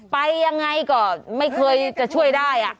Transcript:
ไปยังไงก็ไม่เคยจะช่วยได้